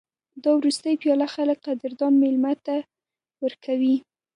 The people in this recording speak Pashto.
دا وروستۍ پیاله خلک قدردان مېلمه ته ورکوي.